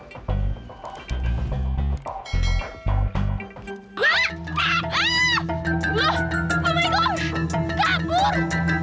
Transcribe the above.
oh my god kabur